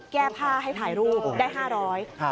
แก้ผ้าให้ถ่ายรูปได้๕๐๐บาท